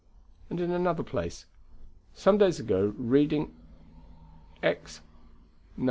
And in another place: "Some days ago reading Ex. ix.